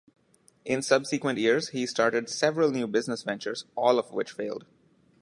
In subsequent years he started several new business ventures, all of which failed.